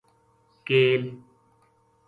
کیل